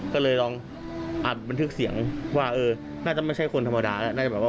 ก็เลยลองอาจบันทึกเสียงว่าน่าจะไม่ใช่คนธรรมดาแล้ว